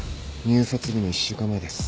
入札日の１週間前です。